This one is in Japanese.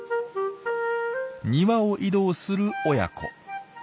庭を移動する親子。